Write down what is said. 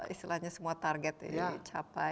istilahnya semua target ini capai